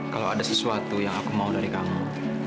kalau ada sesuatu yang aku mau dari kamu